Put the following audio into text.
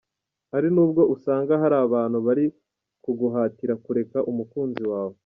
Hari n’ubwo usanga hari abantu bari kuguhatira kureka umukunzi wawe.